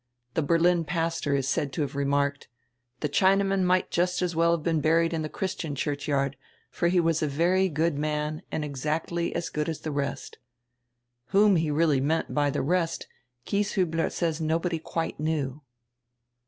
The Berlin Pastor is said to have remarked: 'The Chinaman might just as well have been huried in the Christian churchyard, for he was a very good man and exacdy as good as die rest.' Whom he really meant by die rest, Gieshiibler says nobody quite knew."